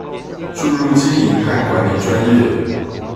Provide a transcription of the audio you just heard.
注入經營和管理專業